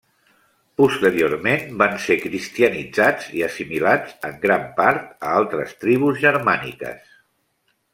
Posteriorment van ser cristianitzats i assimilats en gran part a altres tribus germàniques.